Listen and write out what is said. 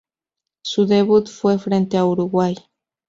Su debut fue frente a Uruguay.